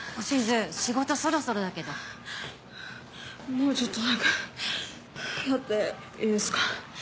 もうちょっとだけやっていいですか？